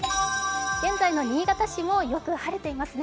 現在の新潟市もよく晴れていますね。